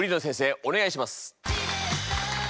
お願いします。